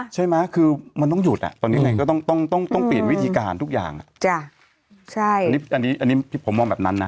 ใช่มั๊อคือมันต้องหยุดตรงนี้ต้องเปลี่ยนวิธีการทุกอย่างอันนี้ผมมองแบบนั้นนะ